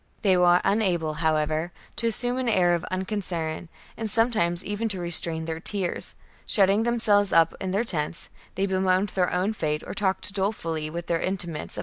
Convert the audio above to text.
They were unable, however, to assume an air of unconcern, and sometimes even to restrain their tears ; shutting themselves up in their tents, they bemoaned their own fate or talked dolefully with their intimates of the peril ^ I follow Napoleon III.